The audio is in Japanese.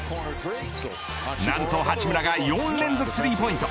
なんと八村が４連続スリーポイント。